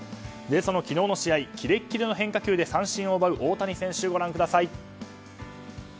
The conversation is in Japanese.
その昨日の試合きれっきれの変化球で三振を奪う大谷選手をご覧ください。